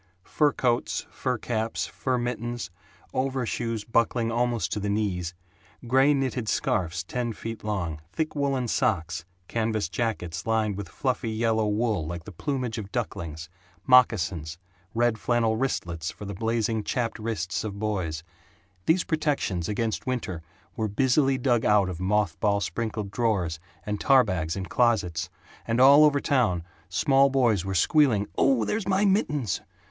Fur coats, fur caps, fur mittens, overshoes buckling almost to the knees, gray knitted scarfs ten feet long, thick woolen socks, canvas jackets lined with fluffy yellow wool like the plumage of ducklings, moccasins, red flannel wristlets for the blazing chapped wrists of boys these protections against winter were busily dug out of moth ball sprinkled drawers and tar bags in closets, and all over town small boys were squealing, "Oh, there's my mittens!"